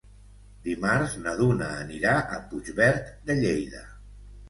Dimarts na Duna anirà a Puigverd de Lleida.